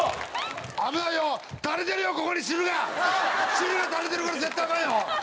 汁が垂れてるから絶対アカンよ！